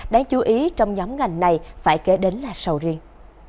đáng chú ý trong nhóm ngành này phải kể đến là sầu riêng